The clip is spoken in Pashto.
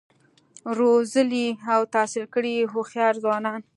روزلي او تحصیل کړي هوښیار ځوانان